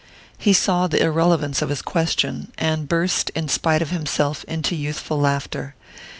He saw the irrelevance of his question, and burst, in spite of himself, into youthful laughter.